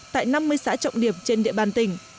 tại năm mươi xã trọng điểm trên địa bàn tỉnh